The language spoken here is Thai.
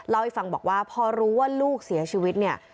เล่าให้ฟังบอกว่าพอรู้ว่าลูกเสียชีวิตเนี่ย